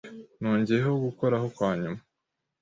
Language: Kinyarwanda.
Nongeyeho gukoraho kwa nyuma.